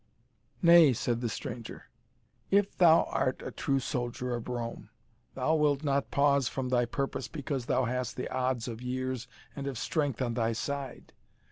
"Nay," said the stranger, "if thou art a true soldier of Rome, thou wilt not pause from thy purpose because thou hast the odds of years and of strength on thy side.